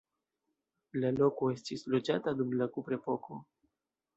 La loko estis loĝata dum la kuprepoko.